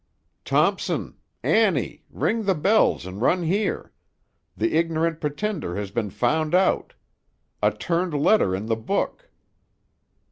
Thompson! Annie! Ring the bells, and run here! The ignorant pretender has been found out! A turned letter in the book!